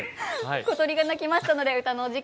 小鳥が鳴きましたので歌のお時間となります。